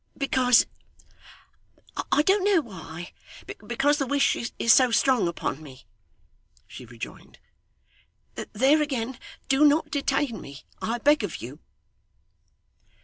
'Because I don't know why because the wish is so strong upon me,' she rejoined. 'There again do not detain me, I beg of you!